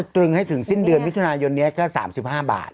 ตรึงให้ถึงสิ้นเดือนมิถุนายนนี้ก็๓๕บาท